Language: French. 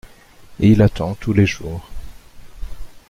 Il attend tous les jours.